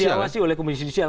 diawasi oleh komisi judisial